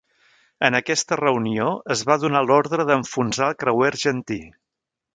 En aquesta reunió es va donar l'ordre d'enfonsar el creuer argentí.